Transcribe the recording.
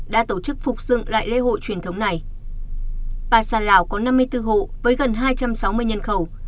đã tổ chức phục dựng lại lễ hội truyền thống này basa lào có năm mươi bốn hộ với gần hai trăm sáu mươi nhân khẩu